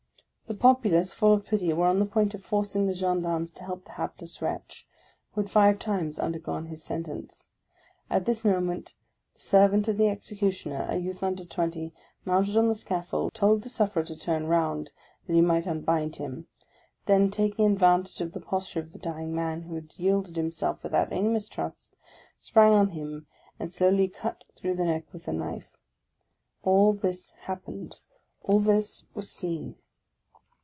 The populace, full of pity9 were on the point of forcing the gendarmes to help the hapless wretch, who had five times undergone his sentence. At this moment the servant of the Executioner, a youth under twenty, mounted on the scaffold, told the sufferer to turn round, that he might unbind him: then taking advantage of the posture of the dying man, who had yielded himself without any mistrust, sprang on him, and slowly cut through the neck with a knife ! All this hap pened ; all this was seen.